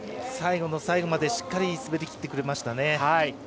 最後の最後までしっかり滑りきってくれましたね。